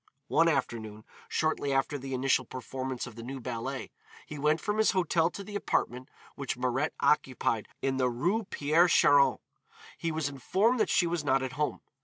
One afternoon, shortly after the initial performance of the new ballet, he went from his hotel to the apartment which Mirette occupied in the Rue Pierre Charon. He was informed that she was not at home.